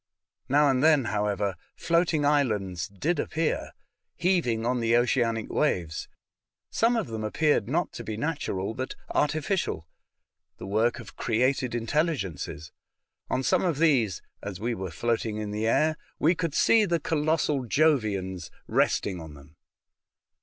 Now and then, however, floating islands did appear, heaving on the oceanic waves. Some of them appeared not to be natural, but artificial — the work of created intelligences ; on some of these (as we were floating in the air) we could see the colossal Jovians resting on them.